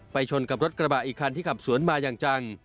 ชนกับรถกระบะอีกคันที่ขับสวนมาอย่างจัง